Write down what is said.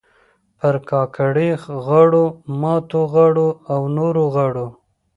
پر کاکړۍ غاړو، ماتو غاړو او نورو غاړو